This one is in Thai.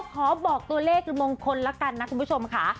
ขอบอกตัวเลขมงคลละกันนะคุณผู้ชมค่ะ